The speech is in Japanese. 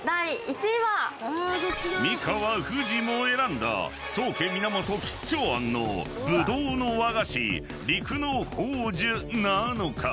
［美川藤も選んだ「宗家源吉兆庵」のぶどうの和菓子陸乃宝珠なのか？］